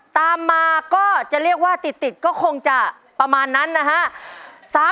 ตามมาก็จะเรียกว่าติดก็คงจะประมาณนั้นนะฮะ